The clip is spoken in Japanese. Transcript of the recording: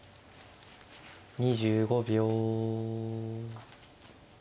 ２５秒。